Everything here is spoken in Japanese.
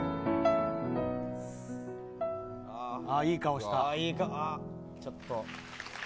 いい顔した。